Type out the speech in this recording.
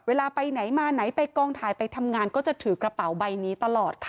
เวลาไปไหนมาไหนไปกองถ่ายไปทำงานก็จะถือกระเป๋าใบนี้ตลอดค่ะ